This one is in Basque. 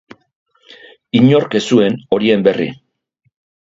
Inork ez zuen horien berri.